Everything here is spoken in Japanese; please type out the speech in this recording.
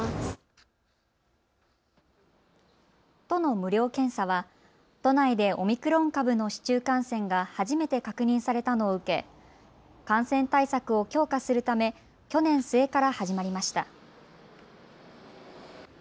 都の無料検査は都内でオミクロン株の市中感染が初めて確認されたのを受け感染対策を強化するため去年末から始まりました。